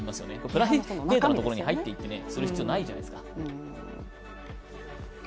プライベートのところに入っていってする必要、ないじゃないですか。